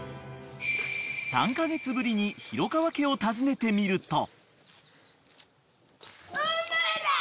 ［３カ月ぶりに廣川家を訪ねてみると］